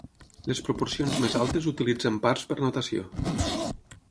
Les proporcions més altes utilitzen parts per notació.